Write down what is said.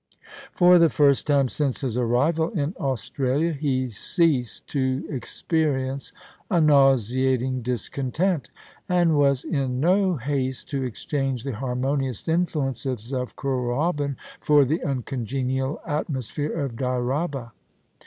For the first time since his arrival in Australia, he ceased to experience a nauseating discontent, and was in no haste to exchange the harmonious influences of Kooralbyn for the uncongenial atmosphere of Dyraaba.